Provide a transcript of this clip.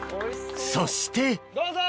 そしてどうぞ！